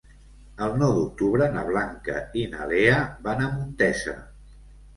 El nou d'octubre na Blanca i na Lea van a Montesa.